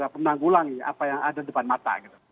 menanggulangi apa yang ada depan mata